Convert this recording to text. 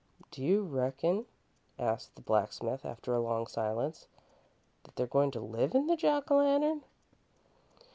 "Do you reckon," asked the blacksmith, after a long silence, "that they're goin' to live in the Jack o' Lantern?"